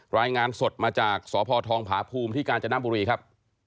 รายงานสดมาจากสพทองผาภูมิที่กาญจนบุรีครับ